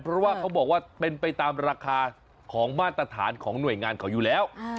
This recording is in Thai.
เพราะว่าเขาบอกว่าเป็นไปตามราคาของมาตรฐานของหน่วยงานเขาอยู่แล้ว